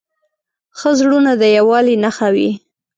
ښه زړونه د یووالي نښه وي.